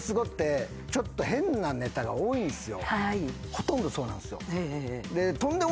ほとんどそうなんすよ。